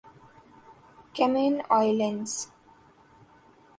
Cayman islands